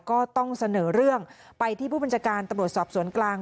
ก็ต้องเสนอเรื่องไปที่ผู้บัญชาการตำรวจสอบสวนกลาง